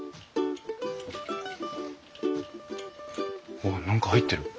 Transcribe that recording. あっ何か入ってる！